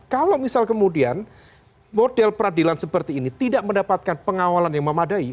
kalau misal kemudian model peradilan seperti ini tidak mendapatkan pengawalan yang memadai